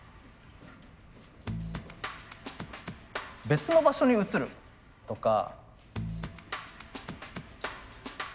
別の場所に移るとか。